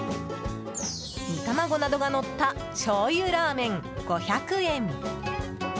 煮卵などがのった醤油ラーメン５００円。